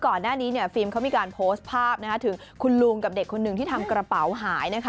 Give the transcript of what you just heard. ก่อนหน้านี้ฟิล์มเขามีการโพสต์ภาพถึงคุณลุงกับเด็กคนหนึ่งที่ทำกระเป๋าหายนะคะ